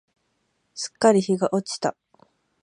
すっかり日が落ちた。